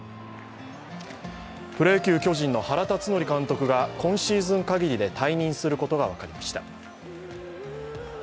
プロ野球巨人の原辰徳監督が今シーズン限りで退任することが分かりました。